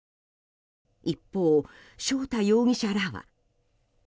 一方、翔太容疑者らは。